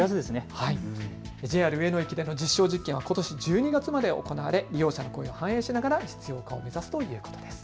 ＪＲ上野駅での実証実験はことし１２月まで行われ利用者の声を反映しながら実用化を目指すということです。